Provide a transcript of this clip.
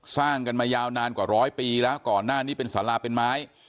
สร้างกันมายาวนานกว่าร้อยปีแล้วก่อนหน้านี้เป็นสาราเป็นไม้